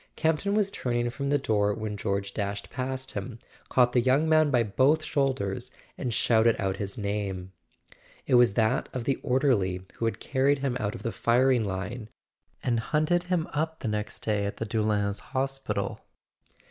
Campton was turning from the door when George dashed past him, caught the young man by both shoul¬ ders, and shouted out his name. It was that of the orderly who had carried him out of the firing line and hunted him up the next day in the Doullens hospital.